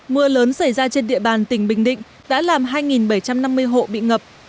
mưa lớn xảy ra trên địa bàn tỉnh bình định đã làm hai bảy trăm năm mươi hộ bị ngập